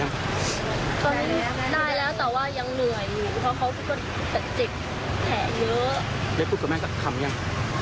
ได้พูดกับแม่กับคำยัง